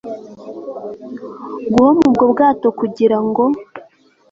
guhoma ubwo bwato kugira ngo